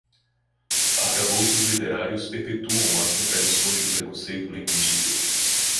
Arcabouços literários perpetuam as contradições do preconceito linguístico